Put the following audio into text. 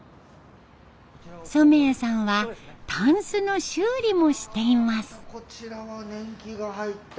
染谷さんはたんすの修理もしています。